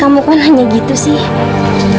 kamu kan hanya gitu sih